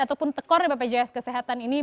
ataupun tekor bpjs kesehatan ini